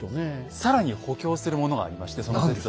更に補強するものがありましてその説を。